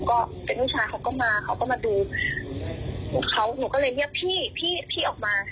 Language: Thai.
ก็เป็นลูกชายเขาก็มาเขาก็มาดูเขาหนูก็เลยเรียกพี่พี่ออกมา